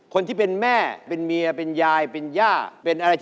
เกิดว่าอะไร